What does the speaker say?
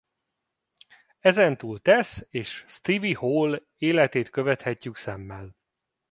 Ezentúl Tess és Stevie Hall életét követhetjük szemmel.